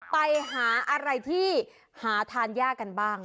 ไปหาอะไรที่หาทานยากกันบ้าง